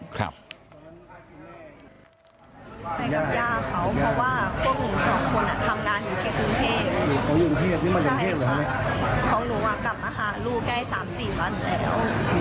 ไปกับย่าเขาเพราะว่าพวกหนู๒คนทำร้านอยู่แค่ภูมิเทพฯ